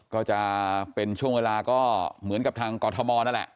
ก็จะเป็นช่วงเวลาก็เหมือนกับทางกรทมนั่นแหละ